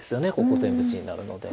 ここ全部地になるので。